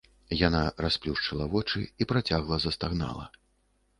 Яна расплюшчыла вочы і працягла застагнала.